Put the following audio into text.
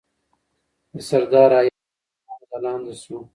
د سردار ایوب خان نوم ځلانده سو.